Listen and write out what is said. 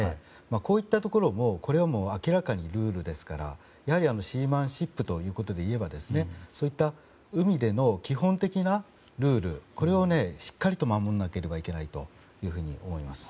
こういったところも明らかにルールですからシーマンシップということでいえば、海での基本的なルールこれをしっかりと守らなければいけないと思います。